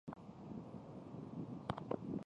丽纹梭子蟹为梭子蟹科梭子蟹属的动物。